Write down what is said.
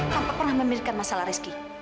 tanpa pernah memberikan masalah rizky